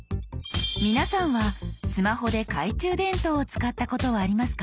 皆さんはスマホで懐中電灯を使ったことはありますか？